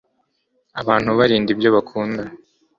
abantu barinda ibyo bakunda